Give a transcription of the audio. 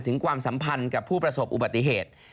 ความสัมพันธ์กับผู้ประสบอุบัติเหตุ